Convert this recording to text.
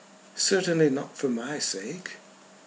"Certainly not for my sake."